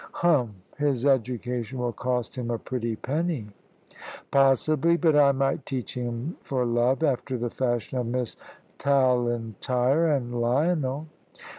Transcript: "Humph. His education will cost him a pretty penny." "Possibly. But I might teach him for love, after the fashion of Miss Tallentire and Lionel."